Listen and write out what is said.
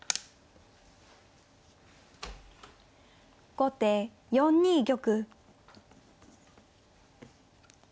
後手４二玉。